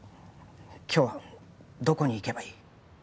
今日はどこに行けばいい？